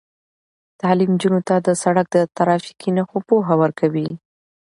تعلیم نجونو ته د سړک د ترافیکي نښو پوهه ورکوي.